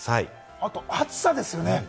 あと、暑さですよね。